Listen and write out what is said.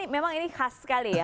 memang ini khas sekali ya